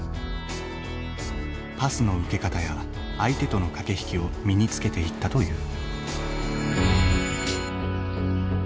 パスの受け方や相手との駆け引きを身につけていったという。